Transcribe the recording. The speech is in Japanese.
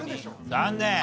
残念。